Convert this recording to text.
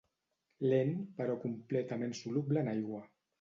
Lent però completament soluble en aigua.